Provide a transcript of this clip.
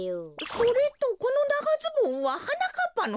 それとこのながズボンははなかっぱのかい？